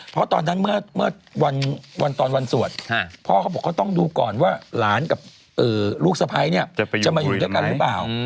เพราะตอนนั้นเมื่อวันตอนวันสวดพ่อเขาบอกเขาต้องดูก่อนว่าหลานกับลูกสะพ้ายเนี่ยจะมาอยู่ด้วยกันหรือเปล่า